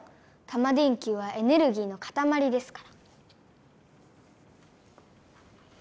タマ電Ｑはエネルギーのかたまりですから。